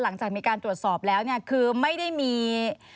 หลังจากมีการตรวจสอบแล้วเนี่ยคือไม่ได้มี